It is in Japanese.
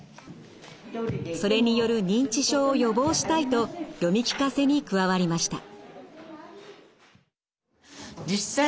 それによる認知症を予防したいと読み聞かせに加わりました。